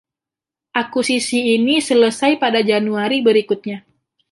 Akuisisi ini selesai pada Januari berikutnya.